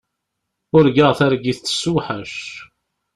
Urgaɣ targit tessewḥac.